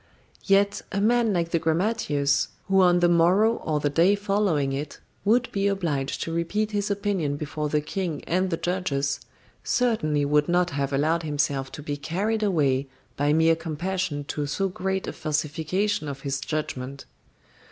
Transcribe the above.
Yet a man like the grammateus, who on the morrow or the day following it would be obliged to repeat his opinion before the King and the judges, certainly would not have allowed himself to be carried away by mere compassion to so great a falsification of his judgment.